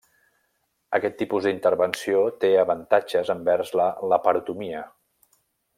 Aquest tipus d'intervenció té avantatges envers la laparotomia.